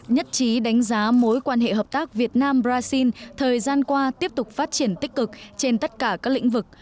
nhất trí đánh giá mối quan hệ hợp tác việt nam brazil thời gian qua tiếp tục phát triển tích cực trên tất cả các lĩnh vực